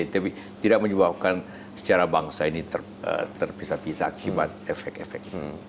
tapi tidak menyebabkan secara bangsa ini terpisah pisah akibat efek efek